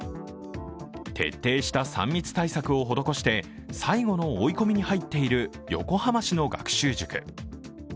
徹底した３密対策を施して最後の追い込みに入っている横浜市の学習塾。